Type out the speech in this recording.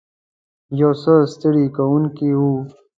یو څه ستړې کوونکې وه.